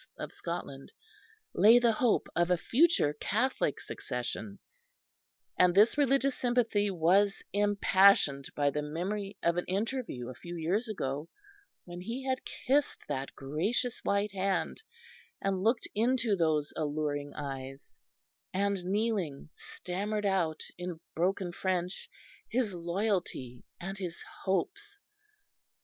of Scotland, lay the hope of a future Catholic succession; and this religious sympathy was impassioned by the memory of an interview a few years ago, when he had kissed that gracious white hand, and looked into those alluring eyes, and, kneeling, stammered out in broken French his loyalty and his hopes.